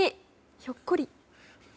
ひょっこり。